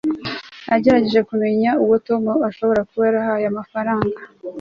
nagerageje kumenya uwo tom ashobora kuba yarahaye amafaranga